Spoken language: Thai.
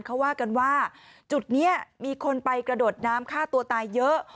เขาว่ากันว่าจุดนี้มีคนไปกระโดดน้ำฆ่าตัวตายเยอะ